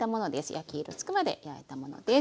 焼き色つくまで焼いたものです。